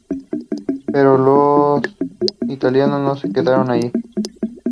The party opposes neoliberal policies.